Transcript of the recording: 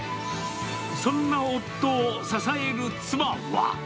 そんな夫を支える妻は。